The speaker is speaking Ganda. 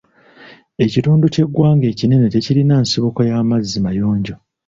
Ekitundu ky'eggwanga ekinene tekirina nsibuko y'amazzi mayonjo.